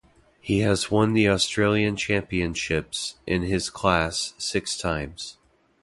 He has won the Australian Championships in his class six times.